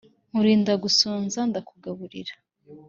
nkurinda gusonza ndakugaburira